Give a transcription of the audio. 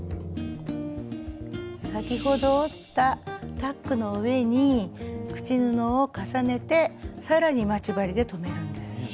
先ほど折ったタックの上に口布を重ねて更に待ち針で留めるんです。